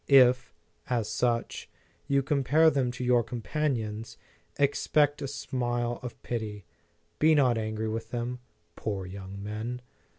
If, as such, you compare them to your companions, ex pect a smile of pity; be not angry with them. Poor young men!